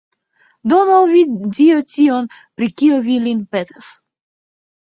Donu al vi Dio tion, pri kio vi lin petas!